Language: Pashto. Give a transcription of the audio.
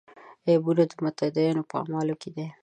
عیبونه د متدینو په اعمالو کې دي.